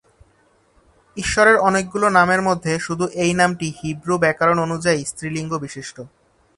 ঈশ্বরের অনেকগুলো নামের মধ্যে শুধু এই নামটি হিব্রু ব্যাকরণ অনুযায়ী স্ত্রী-লিঙ্গ বিশিষ্ট।